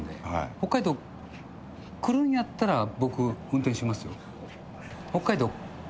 北海道来るんやったら、僕、運転しますよ。